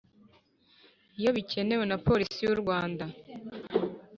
Iyo bikenewe na Polisi y u Rwanda